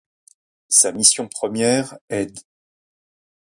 Sa mission première est d'.